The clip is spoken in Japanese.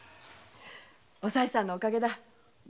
おさいさんのおかげだ。